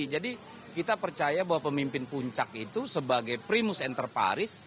jadi kita percaya bahwa pemimpin puncak itu sebagai primus interparis